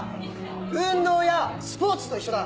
運動やスポーツと一緒だ。